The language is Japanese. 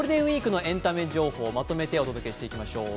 ゴールデンウイークのエンタメ情報をまとめてお届けしていきましょう。